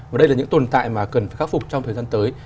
và đây là những tồn tại mà cần phải khắc phục trong thời gian tới